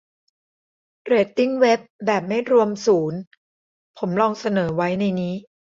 เรตติ้งเว็บ แบบไม่รวมศูนย์ ? ผมลองเสนอไว้ในนี้